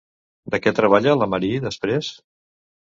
De què treballa la Marie després?